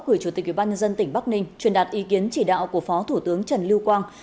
gửi chủ tịch ubnd tỉnh bắc ninh truyền đạt ý kiến chỉ đạo của phó thủ tướng trần lưu quang